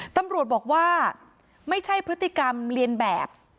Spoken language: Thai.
ตำรวจบอกว่าไม่ใช่พฤติกรรมเรียนแบบ